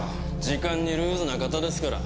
時間にルーズな方ですから。